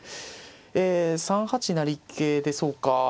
え３八成桂でそうかあ。